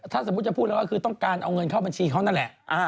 ถ้าสมมุติจะพูดแล้วก็คือต้องการเอาเงินเข้าบัญชีเขานั่นแหละ